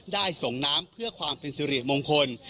ส่งน้ำเพื่อความเป็นสิริมงคล